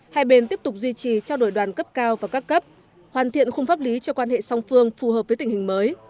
hai bên tiếp tục duy trì trao đổi đoàn cấp cao và các cấp hoàn thiện khung pháp lý cho quan hệ song phương phù hợp với tình hình mới